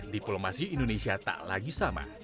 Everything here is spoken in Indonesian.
diplomasi indonesia tak lagi sama